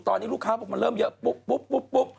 ตอนนี้ลูกค้าบอกมันเริ่มเยอะปุ๊บปุ๊บ